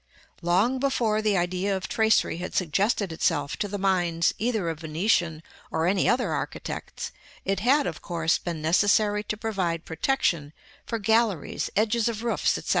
Long before the idea of tracery had suggested itself to the minds either of Venetian or any other architects, it had, of course, been necessary to provide protection for galleries, edges of roofs, &c.